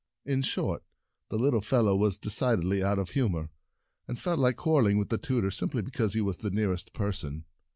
In short, the little fellow was decidedly out of humor, and felt like quarreling with the tutor simply because he was the nearest person.